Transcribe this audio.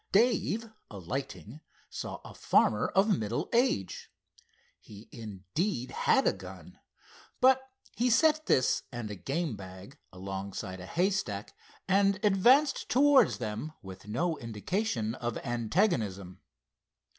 Dave, alighting, saw a farmer, of middle age. He, indeed, had a gun—but he set this, and a game bag, alongside a haystack, and advanced towards them with no indication of antagonism.